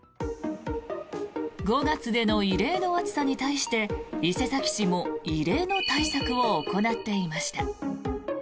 ５月での異例の暑さに対して伊勢崎市も異例の対策を行っていました。